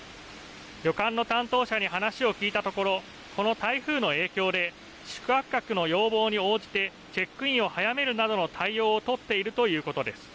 旅館の担当者に話を聞いたところこの台風の影響で宿泊客の要望に応じてチェックインを早めるなどの対応を取っているということです。